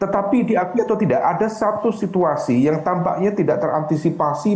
tetapi diakui atau tidak ada satu situasi yang tampaknya tidak terantisipasi